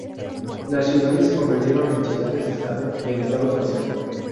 Las ciudades se convirtieron en ciudades-estado y en estados-nación.